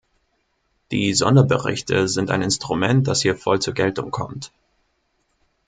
Die Sonderberichte sind ein Instrument, das hier voll zur Geltung kommt.